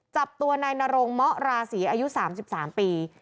จับตัวนายนรงเมาะราศีอายุ๓๓ปี